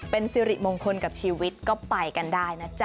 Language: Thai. เป็นสิริมงคลกับชีวิตก็ไปกันได้นะจ๊ะ